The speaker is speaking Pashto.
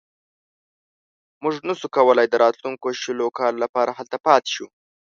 موږ نه شو کولای د راتلونکو شلو کالو لپاره هلته پاتې شو.